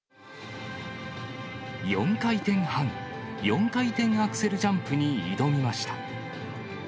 ４回転半、４回転アクセルジャンプに挑みました。